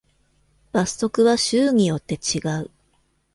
罰則は州によって違う。